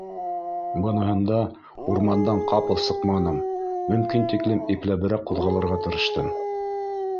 Быныһында урмандан ҡапыл сыҡманым, мөмкин тиклем ипләберәк ҡуҙғалырға тырыштым.